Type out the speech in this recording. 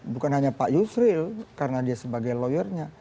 bukan hanya pak yusril karena dia sebagai lawyernya